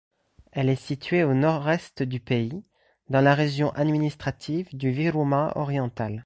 Elle est située au nord-est du pays, dans la région administrative du Virumaa oriental.